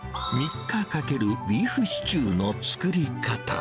３日かけるビーフシチューの作り方。